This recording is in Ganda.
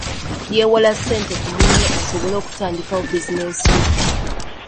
Yeewola ssente ku munne asobole okutandikawo bizinensi ye.